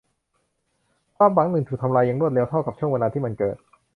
ความหวังหนึ่งถูกทำลายอย่างรวดเร็วเท่ากับช่วงเวลาที่มันเกิด